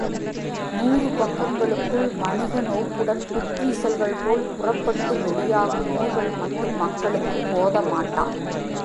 நூறு பக்கங்களுக்குள் வணிக நோக்குடன் புற்றீசல்கள் போல் புறப்பட்டு வெளியாகும் நூல்கள் மட்டும் மக்களுக்குப் போதமாட்டா.